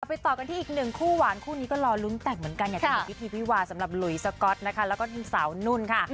ไปต่อกันที่อีกหนึ่งคู่หวานคู่นี้ก็รอลุ้นแต่งเหมือนกันอยากจะเห็นพิธีวิวาสำหรับหลุยสก๊อตนะคะแล้วก็สาวนุ่นค่ะ